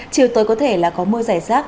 chiều tới có thể là có mưa rải rác